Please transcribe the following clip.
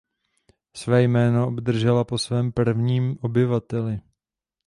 Své jméno obdržela po svém prvním obyvateli.